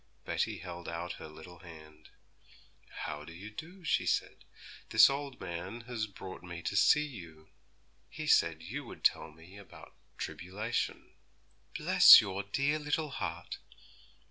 Betty held out her little hand. 'How do you do?' she said; 'this old man has brought me to see you. He said you would tell me about tribulation.' 'Bless your dear little heart!